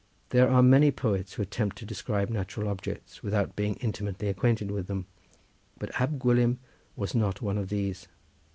There are many poets who attempt to describe natural objects without being intimately acquainted with them, but Ab Gwilym was not one of these.